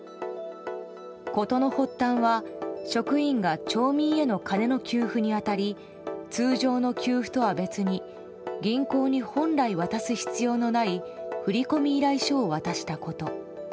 事の発端は職員が町民への金の給付に当たり通常の給付とは別に銀行に本来渡す必要のない振込依頼書を渡したこと。